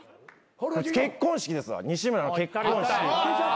結婚式ですわ西村の結婚式。